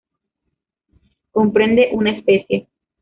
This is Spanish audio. Comprende una especie.